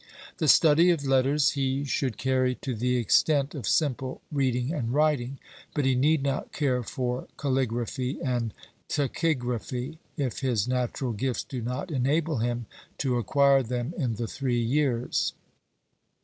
The study of letters he should carry to the extent of simple reading and writing, but he need not care for calligraphy and tachygraphy, if his natural gifts do not enable him to acquire them in the three years.